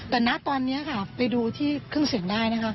แต่ณตอนนี้ไปดูที่เครื่องเสียงได้